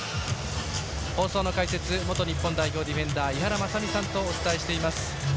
放送の解説、元日本代表ディフェンダーの井原正巳さんとお伝えしています。